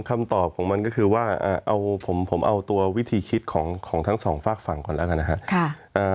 คำตอบของมันก็คือว่าผมเอาตัววิธีคิดของทั้งสองฝากฝั่งก่อนแล้วกันนะครับ